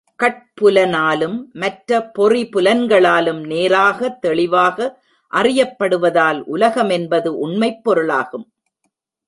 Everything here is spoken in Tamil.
கட் புலனாலும் மற்ற பொறி புலன்களாலும் நேராக தெளிவாக அறியப்படுவதால், உலகம் என்பது உண்மைப் பொருளாகும்.